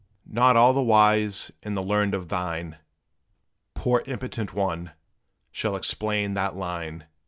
Not all the wise and the learned of thine, Poor impotent one, shall explain that line!